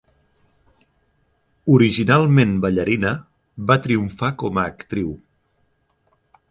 Originalment ballarina, va triomfar com a actriu.